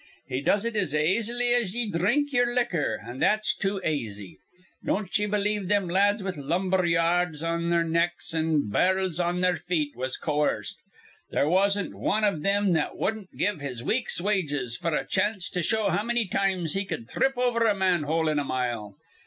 He does it as aisily as ye dhrink ye'er liquor, an' that's too aisy. Don't ye believe thim lads with lumber ya ards on their necks an' bar'ls on their feet was coerced. There wasn't wan iv thim that wudden't give his week's wages f'r a chanst to show how many times he cud thrip over a manhole in a mile.